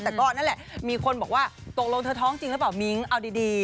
แต่ก็นั่นแหละมีคนบอกว่าตกลงเธอท้องจริงหรือเปล่ามิ้งเอาดี